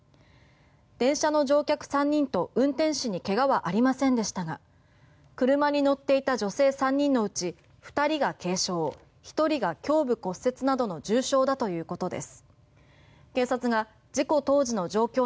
電車の乗客３人と運転士に怪我はありませんでしたが車に乗っていた女性３人のうち２人が軽傷１人が胸部骨折などの重傷だということです。